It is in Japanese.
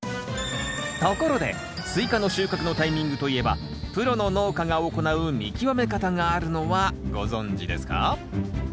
ところでスイカの収穫のタイミングといえばプロの農家が行う見極め方があるのはご存じですか？